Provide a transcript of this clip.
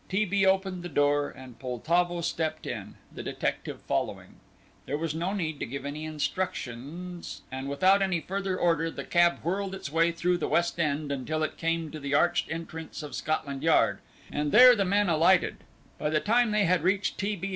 T. B. opened the door and Poltavo stepped in, the detective following. There was no need to give any instructions, and without any further order the cab whirled its way through the West End until it came to the arched entrance of Scotland Yard, and there the man alighted. By the time they had reached T. B.'